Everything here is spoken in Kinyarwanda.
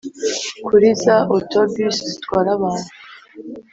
Kuri za auto bus zitwara abantu